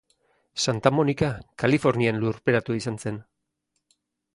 Santa Monica, Kalifornian lurperatua izan zen.